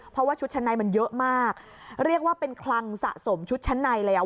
เพราะว่าชุดชั้นในมันเยอะมากเรียกว่าเป็นคลังสะสมชุดชั้นในเลยอ่ะ